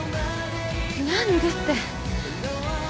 何でって。